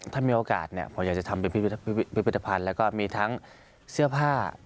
ถ้ามีโอกาสเนี่ยผมอยากจะทำเป็นพิพิธภัณฑ์แล้วก็มีทั้งเสื้อผ้า